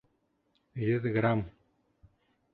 Йөҙ грамм!